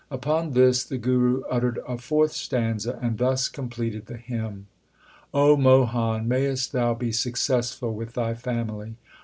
Upon this the Guru uttered a fourth stanza, and thus completed the hymn : O Mohan, mayest thou be successful with thy family